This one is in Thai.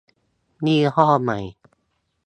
ยี่ห้อใหม่